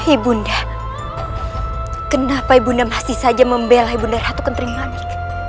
ibu nda kenapa ibu nda masih saja membelai ibu nda ratu kentering manik